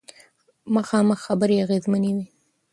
مخامخ خبرې اغیزمنې وي.